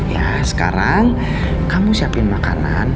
ya sekarang kamu siapin makanan